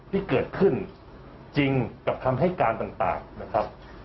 ที่เกิดขึ้นจริงกับคำให้การต่างนะครับ